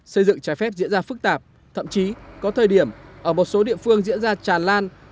xây dựng trái phép diễn ra phức tạp thậm chí có thời điểm ở một số địa phương diễn ra tràn lan